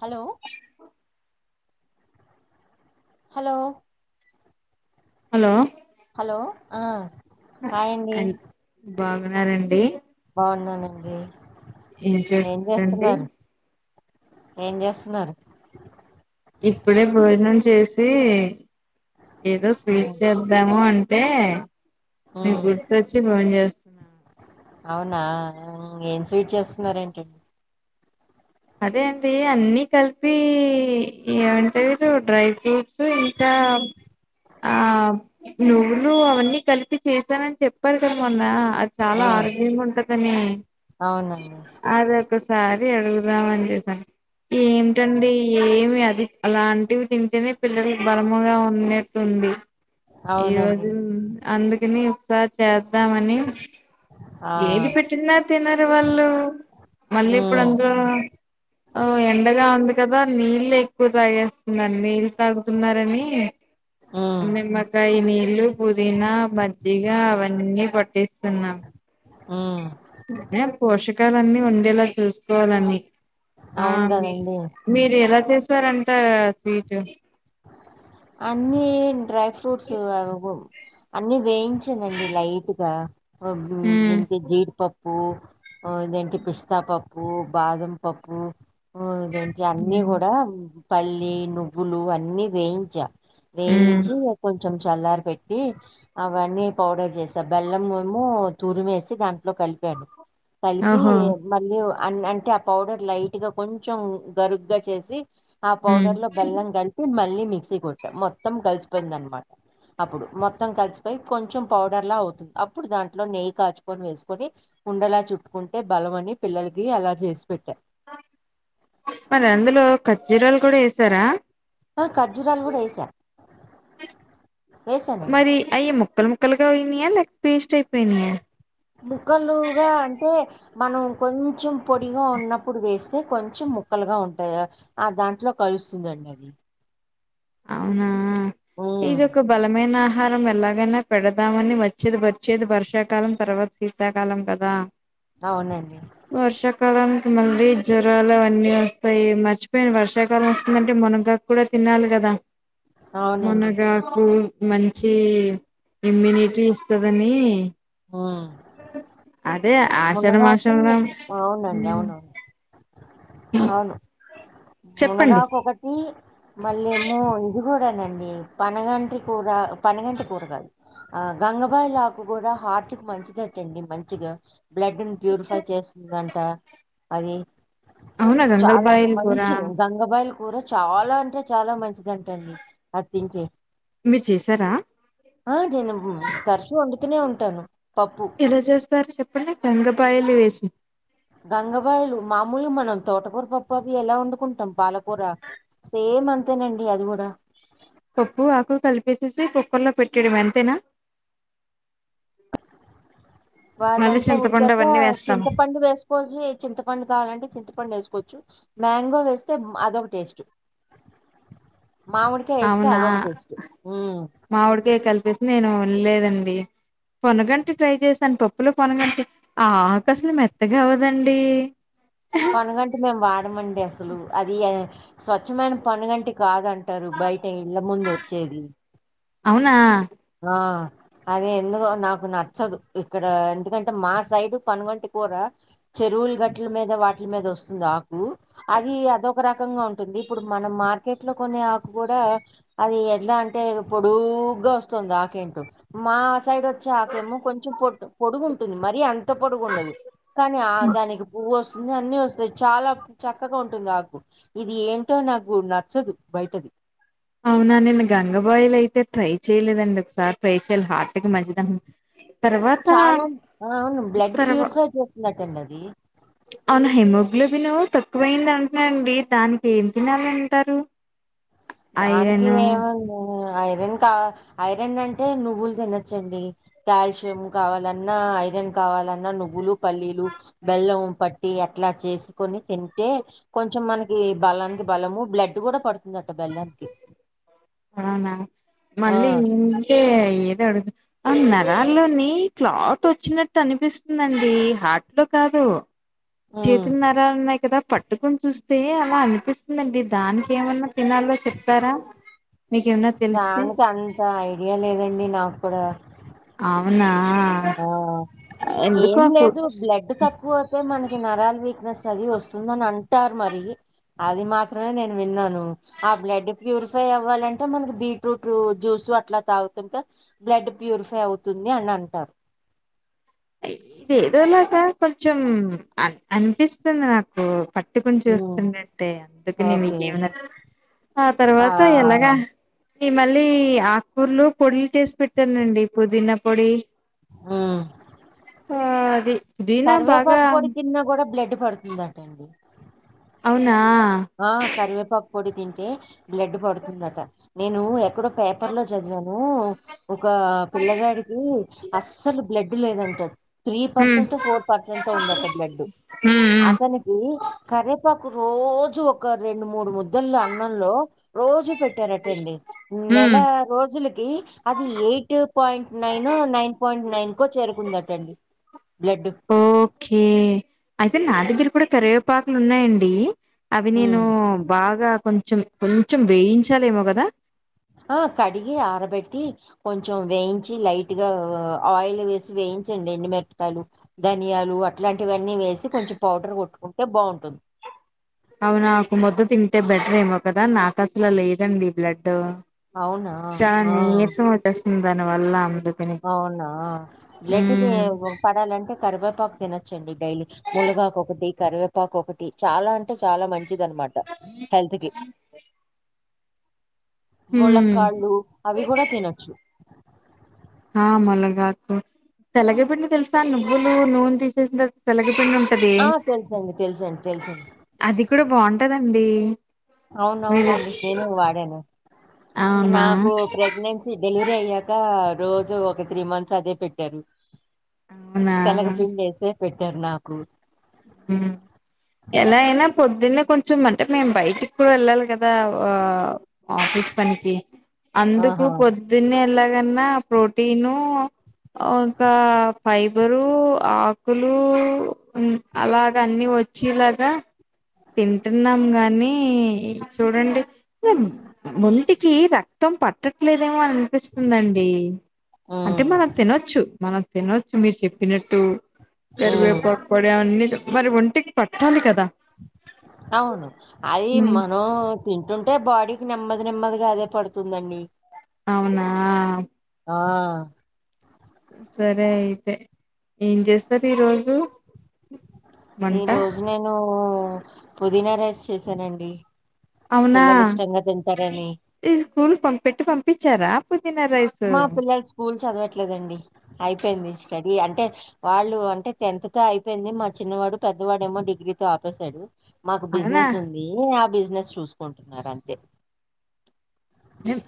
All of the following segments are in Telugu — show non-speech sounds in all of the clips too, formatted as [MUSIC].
హలో హలో హలో హలో ఆ ఆ హాయ్ అండి ఆల్ బాగున్నారండి. బావున్నానండి ఏం ఏ చేస్తున్నారండి జేస్తున్నారు. ఏ జేసున్నారు. ఇప్పుడే భోజనం చేసి ఏదో స్వీట్ ఉమ్ చేద్దాము అంటే మీ ఉమ్, గుర్తొచ్చి పోన్ జేస్ అవునా ఉహ్మ్ ఏం స్వీట్ చేసున్నార్ ఏంటీ. అదే అండి అన్ని కలిపి ఇయాటేరు డ్రై ఫ్రూట్స్ తు ఇంకా ఆ నువ్వులు అవన్నీ కలిపి చేశానని చెప్పాను కదా మొన్న అద్ చాలా ఆరోగ్యంగా ఉంటదని అవును అదొకసారి అడుగుదాం అని జేసా ఏంటండీ. ఏమి అది అలాంటివి తింటేనే పిల్లలకు బలముగా ఉన్నట్టుంది. ఈ అవునండి రోజు అందుకని ఒకసార్ చేద్దావని ఆ ఏది పెట్టినా తినరు వాళ్ళు మళ్ళీ ఇప్పుడు ఉమ్ అందరో అవ్ ఎండగా ఉంది కదా నీళ్లు ఎక్కువ తాగేస్తున్నార్ నీ తాగుతున్నారని ఉమ్ మీమ్మకాయ నీళ్ళు పుదీన మజ్జిగ అవన్నీ పట్టిస్తున్నాం. ఉహ్ అనే పోషకలన్నీ ఉండేలా చూసుకోవాలని ఆ అవును బి కదండి మీరు ఎలా చేసారంట స్వీటూ అన్ని డ్రై ఫ్రూట్స్ అవబో అన్ని వేయించనండి లైట్గా అబూ ఉమ్ దీనికి జీడిపప్పు అవ్ ఇదేంటి పిస్తాపప్పు బాదం పప్పు. ఓ ఇదేంటి అన్ని గుడా పల్లి నువ్వులు అన్నీ వేయించా ఉమ్ వేయించి కొంచెం చల్లార్ బెట్టి అవన్నీ పౌడర్ జేసా బెల్లంమేమో తూరిమేసి దాంట్లో కలిపాన్. కలిపి ఓహో మళ్ళీ ఊ ఆన్ అంటే ఆ పౌడర్ లైట్ గా కొంచెం గరుగ్గా జేసి అ ఉమ్ పౌడర్ లో బెల్లం గలిపి మళ్ళీ మిక్సీ గొట్టా మొత్తం గలిసిపోయింద్ అన్మా అప్పుడు మొత్తం కలిసిపోయి కొంచెం పౌడర్లా అవుతుంది. అప్పుడు దాంట్లో నెయ్యి కాచుకొని వేసుకొని ఉండలా చుట్టుకుంటే బలమని పిల్లలకి అలా జేసి బెట్టా. మరి అందులో కార్జురాలు కూడా యేసరా అ కార్జురాలు గూడా యేసా మరి అయి ముక్కలు ముక్కలుగా అయినయ లేక పేస్ట్ అయిపోయినాయా. ముక్కలుగా అంటే. మనం కొంచెం పొడిగా ఉన్నప్పుడు వేస్తే కొంచెం ముక్కలుగా ఉంటాయి. అ దాంట్లో కలుస్తుందండి అది. అవునా ఉమ్, ఇదొక బలమైన. ఆహారం ఎలాగైనా పెడదామని వచ్చేది వచ్చేది వర్షాకాలం తర్వాత శీతాకాలం కదా. అవునండి. వర్షాకాలానికి మళ్ళీ జ్వరాలు అవన్నీ వస్తాయి మర్చిపోయిన వర్షాకాలం వస్తుందంటే మునగక్. కూడా తినాలి కదా. అవునండి మనగాకు మంచి ఇమ్యూనిటీ ఇస్తదని. హ్మ్ అదే. మునగాకు ఆషాఢమాషంలో. అవునండి అవునవును. అవును. మునగాకు ఒకట్. అ మళ్ళేమో ఇది గుడానండి పనగంటి కూర పనగంటి కూర కాదు. అ గంగబాయిలాకు కూడా హార్టికి మంచిదటండి మంచిగా. బ్లడ్ని ప్యూరిఫై చేస్తుందంట అది. అవునా చాలా గంగలబాయిలు కూర మంచిది దన్. గంగబైల్ కూరా చాలా అంటే చాలా మంచిదటండి అది తింటే. మీరు చేసారా ఆ నేను తరచూ వండుతూనే ఉంటాను పప్పు. ఎలా చేస్తారు చెప్పండి గంగపాయలు వేసి. గంగబైయిలు మామూలుగా మనం తోటకూర పప్పది ఎలా వండుకుంటాం పాలకూర. సేమ్ అంతేనండి అది గుడా. పప్పు ఆకు కలిపేసేసి కుక్కర్లో పెట్టేయడం అంతేనా. అ వాదంతా ఉడికాక చింతపండు వేసుకోవచ్చు చింతపండు కావాలంటే చింతపండు వేసుకోవచ్చు. మ్యాంగో వేస్తే అదొక టేస్ట్ మామిడి. ఏస్తే అదొక టెస్ట్ ఊ. మావిడికై కలిపేసి నేను విన్ లేదండి. పొనగంటి ట్రై చేశాను పప్పులో పోనగంటి ఆ ఆకసలు మెత్తగా అవదండి. హ పొనగంటి మేము వాడమండి అసలు అది ఎ. స్వచ్ఛమైన పొనగంటి కాదంటరు బయట ఇళ్ళ ముందు వచ్చేది. అవునా. ఆ. అది ఎందుకో నాకు నచ్చదు ఇక్కడ ఎందుకంటే మా సైడ్ పనుగంటి కూర. చెరువులు గట్ల మీద వాటిల మీద వస్తుంది ఆ. అది అదొక రకంగా ఉంటుంది ఇప్పుడు మనం మా. కెట్లో కొనే ఆకు కూడా అది ఎట్లా అంటే పొడుగ్గా వస్తుంది ఆకేంటో. మా సైడ్ వచ్చే ఆకమో కొంచెం పొట్ పొడుగు ఉంటుంది మరి అన్. పోడుగు ఉండదు కానీ ఆ దానికి పువ్వు వస్. ఇంకా అన్ని వస్తాయి చాలా చక్కగా ఉంటుంది ఆకు. ఇది ఏంటో నాకు నచ్చదు బయటది. అవునా నేను గంగబాయిలు అయితే ట్రై చెయలేదండి ఒకసారి ట్రై చేయ్యాలి హార్కి మంచిదన్. చాలా అ అవును బ్లడ్ తర్వా ప్యూరిఫై చేస్తున్నట్టండి అది. అవును హెమోగ్లోబిన్ తక్కువైంది అంటున్నారూ అండి దానికి ఏం తినాలి అంటారు దానికి ఏమ ఐరన్ కా ఐరన్ అంటే నువ్వులు తినచ్చండి కాల్షియం కావాలన్నా ఐరన్ కావాలన్నా నువ్వులు పల్లీలు బెల్లం పట్టి అట్లా చేసుకొని తింటే కొంచెం మనకి బలానికి బలము బ్లడ్ కూడా పడుతుందట బెల్లానికి అవునా ఆ మళ్ళీ ఏంటే ఏది అడుగు నరాల్లోని క్లాట్ వచ్చినట్టు అనిపిస్తుందండి హార్ట్ లో కాదు హ్మ్. చేతు నరాలు ఉన్నాయి కదా పట్టుకుని చూస్తే అలా అనిపిస్తుందండి దానికి ఏమన్నా తినాలో చెప్తారా మీకేమన్నా తెలిస్తే దానికి అంత ఐడియా లేదండి నాకు కూడా అవునా ఆ ఎందుకో ఏం అప్పు లేదు బ్లడ్ తక్కువ అయితే మనకి నరాల వీక్నెస్ అది వస్తుందని అంటారు మరి అది మాత్రమే నేను విన్నాను ఆ బ్లడ్ ప్యూరిఫై అవ్వాలంటే మనకి బీట్రూట్ జ్యూస్ అట్లా తాగుతుంటే బ్లడ్ ప్యూరిఫై అవుతుంది అన్నారు అంట ఇది ఏదోలాగా కొంచెం అనిపిస్తుంది నాకు పట్టుకుని ఉమ్, చూస్తుండు అంటే అందుకని ఓకే మీకేమి ఆ తర్వాత ఎలాగా ఈ మళ్ళీ ఆకు కూరలు పొడిలు చేసి పెట్టానండి పుదీనా పొడి ఉమ్ ఆది కరివేపాకు పొడి తిన్నా కూడా బ్లడ్ పడుతుందటండి అవునా ఆ కరివేపాకు పొడి తింటే బ్లడ్ పడుతుందట నేను ఎక్కడో పేపర్లో చదివాను ఒక పిల్లగాడి కి అస్సలు బ్లడ్ లేదంటాడు త్రీ ఉమ్ పర్సెంట్ ఫోర్ పర్సెంట్ ఉందట బ్లడ్డు ఉమ్ ఉమ్ అతనికి కరేపాకు రోజు ఒక రెండు మూడు ముద్దలో అన్నంలో రోజు పెట్టారటండి నెల ఉమ్ రోజు కి అది eight point nine nine point nine కు చేరుకుందటండి బ్లడ్ ఓకే అయితే నా దగ్గర కూడా కరివేపాకులు ఉన్నాయండి అవి నేను బాగా కొంచెం కొంచెం వేయించాలేమో కదా ఆ కడిగి ఆరబెట్టి కొంచెం వేయించి లైట్ గా ఆయిల్ వేసి వేయించండి ఎండుమిరపకాయలు ధనియాలు అట్లాంటివన్నీ వేసి కొంచెం పౌడర్ కొట్టుకుంటే బాగుంటుంది అవు నాకు ముద్ద తింటే బెటర్ ఏమో కదా నాకు అసలు లేదండి బ్లడ్ అవునా చాన ఆ నీరసం ఉట్టొస్తుంది దాని వల్ల అందుకు అవునా బ్లడ్ పడాలంటే కరివేపాకు తినొచ్చండి డైలీ ముల్గాక ఒకటి కరివేపాకు ఒకటి చాలా అంటే చాలా మంచిది అన్నమాట హెల్త్ కి హ్మ్. ముళక్కాళ్ళు అవి గుడా తినొచ్చు ఆ ములగాకు తెలగ పిండి తెలుసు గాని నువ్వులు నూనే తీసేసిన తెలగపిండి ఉంటది ఆ తెలుసండి తెలుసండి తెలుసండి అది కూడా బాగుంటదండి అవునవునండి నేను వాడాను అవునా! నాకు ప్రెగ్నెంట్ డెలివరీ అయ్యాక రోజు ఒక త్రీ మంత్స్ అదే పెట్టారు అవునా! తెలగ పిండిఅయితే పెట్టారు నాకు ఉ ఎలా అయినా పొద్దున్నే కొంచం అంటే మేము బయటికి కూ వెళ్ళాలి కదా ఆ ఆఫీస్ పనికి అందుకు ఆహా! పొద్దున్నే ఎలాగన్నా ప్రోటీను ఒకా ఫైబరు ఆకులు అలాగ అన్ని వచ్చేలాగా తింటున్నాం గాని చూడండి మ్మ్ ఒంటికి రక్తం పట్టట్లేదేమో అని వినిపిస్తుందండి అంటే హ్మ్. మనం తినొచ్చు మన్ తినొచ్చు మీరు చెప్పినట్టు హ్మ్. కరివేపాకు ప్లాన్డ్దొ మరి ఒంటికి పట్టాలి కదా అవును అయి ఉమ్ మనమ్ తింటుంటే బాడీకి నెమ్మది నెమ్మదిగా అదే పడుతుందండి అవునా ఆ సరే అయితే ఏం జెస్తరు ఈరోజు ఈరోజు నేను పుదీనా రైస్ చేసానండి అవునా ఈ స్కూల్ పం పెట్టి పంపించారా పుదీనా రైస్ మా పిల్లలు స్కూల్ చదవట్లేదండి అయిపోయింది స్టడీ అంటే వాళ్ళు అంటే టెన్త్తో అయిపోయింది మా చిన్నవాడు పెద్దవాడేమో డిగ్రీతో ఆపేశాడు మాకు అవునా బిజినెస్ ఉంది ఆ బిజినెస్ చూసుకుంటున్నారు అంతే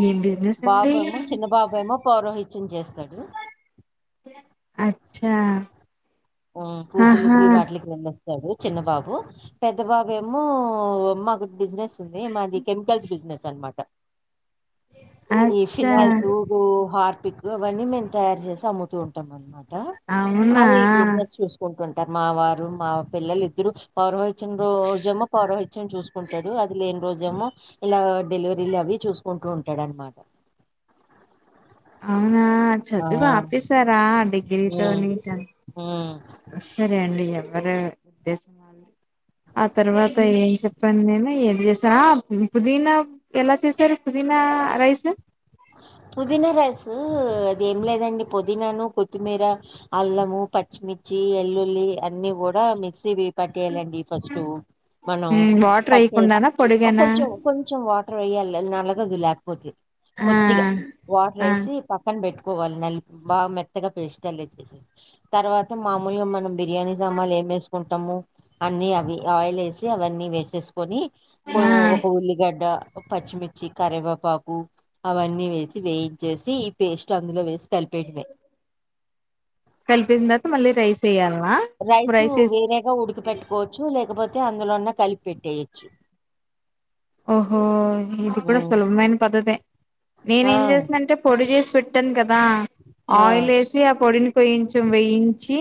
ఎం బిసినెస్నండి చిన్నబాబేమో పౌరోహిత్యం చేస్తాడు అచ్చా హ్మ్ ఆహా పూజలికి వాట్లకి వెళ్ళొస్తా తడు చిన్న బాబు పెద్దబాబు ఏమో మాకు బిజినెస్ ఇదిమాది కెమికల్స్ బిజినెస్ అనమాట ఈ అచ్చా ఫినాల్స్ ఉ హార్పికు అవన్నీ మేము తయారు చేసి అమ్ముతూ ఉంటాం అనమాట అవునా అవి చూసుకుంటుంటారు మా వారు మా పిల్లలు ఇద్దరు పౌరోహిత్యం రోజమో పౌరహిత్యం చూసుకు కుంటాడు అది లేని రోజేమో ఇలా డెలివరీలు అవి చూసుకుంటూ ఉంటాడు అనమాట అవునా ఆ! చదువు ఆపేశారా డిగ్రీతో నీక ఊ సరే అండి ఎవరు ఇదే ఆ తర్వాత ఏం చెప్పాను నేను ఏది చేసాను ఆ పుదీనా ఎలా చేసారు పుదీనా రైస్ పుదీనా రైసు అది ఏం లేదండి పుదీనాను కొత్తిమీర అల్లము పచ్చిమిర్చి ఎల్లుల్లి అన్ని కూడా మిక్సి వేసి పట్టేయాలండి ఫస్ట్ మనం ఉమ్ వాటర్ పట్టేసి వేయకుండానా పొడిగానా కొంచెం కొంచెం వాటర్ వేయాలి అది నలగదు లేకపోతే ఆ కొద్దిగా వాటర్ ఆ ఎసి పక్కన బెట్టుకోవాలి నలిపి బాగా మెత్తగా పేస్ట్ అల తర్వాత మామూలుగా మనం బిర్యానీ సామాన్లు ఏం వేసుకుంటాము అన్ని అవి ఆయిల్ వేసి అవన్నీ వేసేసు కొన్ని ఆ ఒక ఉల్లిగడ్డ ఓ పచ్చిమిర్చి కరివేపాకు అవన్నీ వేసి వేయించేసి ఈ పేస్ట్ అందులో వేసి కలిపేయటమే కలిపిన తర్వాత మళ్ళీ రైస్ వెయ్యాలనా రైస్ వేరేగా ఉడికి పెట్టుకోవచ్చు లేకపోతే అందులోన్న కలిపి పెట్టేయచ్చు ఓహో ఇది కూడా ఉమ్. సులభమైన పద్ధతే నేను ఆ ఏం చేసాంటే పొడి చేసి పెట్టాను కదా ఆ ఆయిల్ వేసి అంటే ఆ పొడిని కొంచెం వేయించి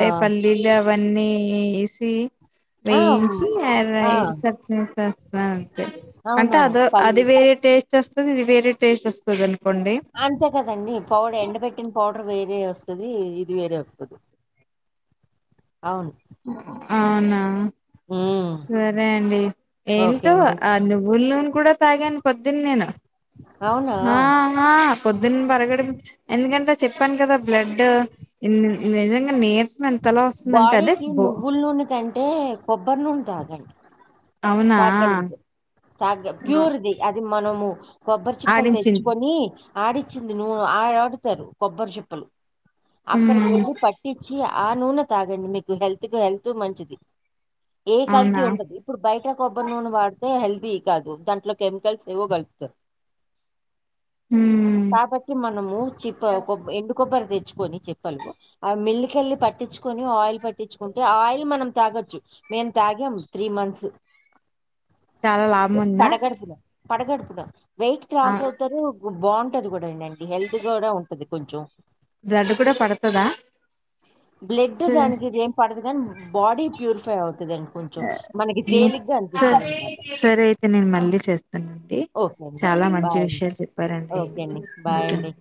ఆ పల్ పల్లీలు అన్నీ వేసి ఆ వేయించి ఆ రైస్ [UNINTELLIGIBLE] అంతే అంటే అవునవును అది పల్లి వేరే టేస్ట్ వస్తుంది ఇది వేరే టేస్ట్ వస్తది అనుకోండి అంతే కదండి పౌడర్ ఎండబెట్టిన పౌడర్ వేరే వస్తది ఇది వేరే వస్తది అవును అవునా ఉ సరే అండి ఏంటో ఆ నువ్వుల నూనె కూడా తాగాను పొద్దున నేను అవునా? ఆ ఆ పొద్దున పడగడుపున ఎందుకంటే చెప్పాను కదా బ్లడ్ నిజంగా ని మంతేలా వస్తుందంటే అదే బో [UNINTELLIGIBLE] అంటే కొబ్బరి నూనె తాగండి అవునా తాగలిగితే ఆ, ప్యూర్ది అది అది మనము కొబ్బరి చిప్పలు ఆడించింది తెచ్చుకొని ఆడిచ్చింది నువ్వు ఆ ఆడుతారు కొబ్బరి చిప్పలు అక్కడికి ఉమ్ వెళ్ళి పట్ టిచ్చి ఆ నూనె తాగండి మీకు హెల్త్ కు హెల్త్ మంచిది ఏ కల్తీ అవునా ఉండదు ఇప్పుడు బయట కొబ్బరి నూనె వాడితే హెల్దీ కాదు దాంట్లో కెమికల్స్ ఏవో కలుపుతారు ఉమ్ పాపకి మనం చిప్ప ఎండు కొబ్బరి తెచ్చుకొని చిప్పలు ఆ మిల్లికెల్లి పట్టించుకొని ఆయిల్ పట్టించుకుంటే ఆ ఆయిల్ మనం తాగొచ్చు మేం తాగాం త్రీ మంత్స్ చాలా లాభం ఉందా పడగడుపున పడగడుపుడం వెయిట్ ఆ లాస్ అవుతారు బాగుంటది కూడా [UNINTELLIGIBLE] హెల్త్ కూడా ఉంటది కొంచెం బ్లడ్ కూడా పడతాదా బ్లడ్ దానికి ఇది ఏం పడదు కానీ బాడీ ప్యూరిఫై అవుతదండి కొంచెం మనకి తేలిగ్గా స అనిపిస్తుంది ఆన్నమాట సరే అయితే నేను మళ్ళీ చేస్తానండి ఓకే అండి చాలా మంచి బాయ్ అండి విషయాలు చెప్పారండి ఓకే అండి బాయ్ ఉంటాను అండి